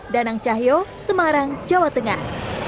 danang cahyo semarang jawa tengah